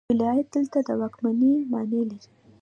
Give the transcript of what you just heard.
ولایت دلته د واکمنۍ معنی لري.